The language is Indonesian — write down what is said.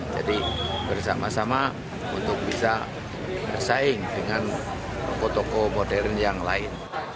jadi bersama sama untuk bisa bersaing dengan toko toko modern yang lain